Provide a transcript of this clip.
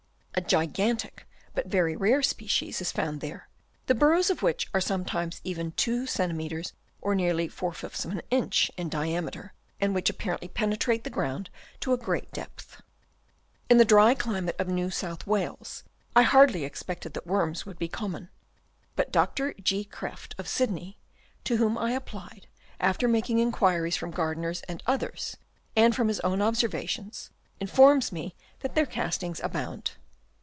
A gigantic but very rare species is found there, the burrows of which are sometimes even two centimeters or nearly f of an inch in diameter, and which apparently penetrate the ground to a great depth, In the dry climate of New South Wales, I hardly expected that worms would be com mon ; but Dr. G. Krefft of Sydney, to whom I applied, after making enquiries from gardeners and others, and from his own observations, informs me that their castings abound.